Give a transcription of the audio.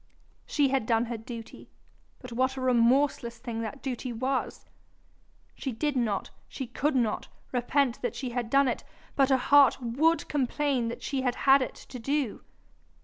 She had done her duty, but what a remorseless thing that duty was! She did not, she could not, repent that she had done it, but her heart WOULD complain that she had had it to do.